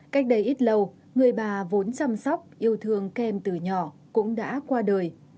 cách đây ít lâu người bà vốn chăm sóc yêu thương kem từ nhỏ cũng đã qua đời